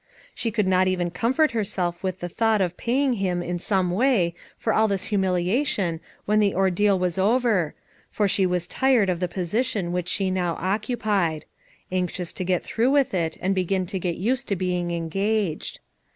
She could not even comfort herself with the thought of paying him in some way for all this humiliation when the ordeal was over, for she was tired of the position which she now occupied ; anxious to get through 320 FOUR MOTHEBS AT CHAUTAUQUA with it and begin to get used to being engaged.